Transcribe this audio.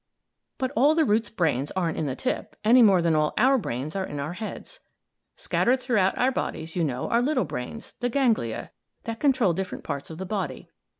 But all the root's brains aren't in the tip, any more than all our brains are in our heads. Scattered through our bodies, you know, are little brains, the ganglia, that control different parts of the body.